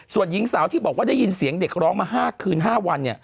ส่วนหญิงสาวที่บอกว่าได้ยินเสียงเด็กร้องมา๕คืน๕วัน